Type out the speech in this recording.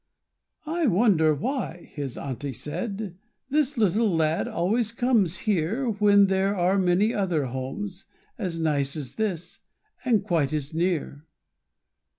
"I wonder why," his aunty said, "This little lad always comes here, When there are many other homes As nice as this, and quite as near."